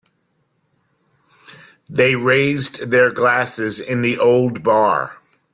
They raised their glasses in the old bar.